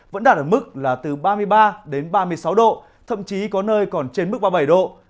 vẫn đạt ở mức là từ ba mươi ba đến ba mươi sáu độ thậm chí có nơi còn trên mức ba mươi bảy độ